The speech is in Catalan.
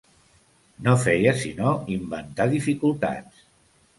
No feia sinó inventar dificultats.